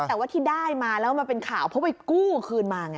แต่ว่าที่ได้มาแล้วมันเป็นข่าวเพราะไปกู้คืนมาไง